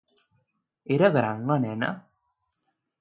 Era gran la nena?